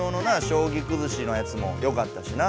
将棋くずしのやつもよかったしな。